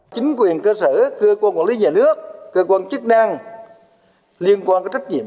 chính quyền cơ sở cơ quan quản lý nhà nước cơ quan chức năng liên quan tới trách nhiệm